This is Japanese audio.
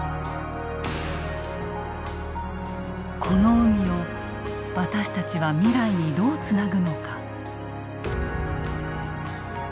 この海を私たちは未来にどうつなぐのか。